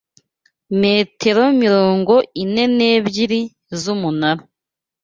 Metero mirongo ine nebyiri z’umunara